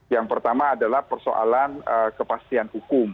yang pertama adalah persoalan kepastian hukum